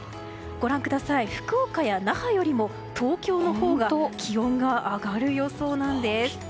ご覧ください、福岡や那覇よりも東京のほうが気温が上がる予想なんです。